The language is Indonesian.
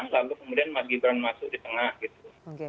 lalu kemudian mas gibran masuk di tengah gitu